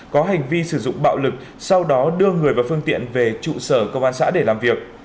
có hành vi sử dụng bạo lực sau đó đưa người và phương tiện về trụ sở công an xã để làm việc